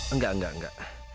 enggak enggak enggak